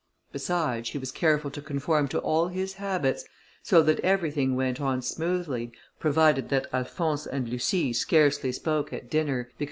Besides, she was careful to conform to all his habits, so that everything went on smoothly, provided that Alphonse and Lucie scarcely spoke at dinner, because M.